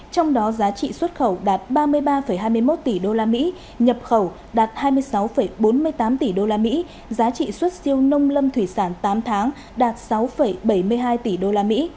trong đó giá trị xuất khẩu đạt ba mươi ba hai mươi một tỷ usd nhập khẩu đạt hai mươi sáu bốn mươi tám tỷ usd giá trị xuất siêu nông lâm thủy sản tám tháng đạt sáu bảy mươi hai tỷ đô la mỹ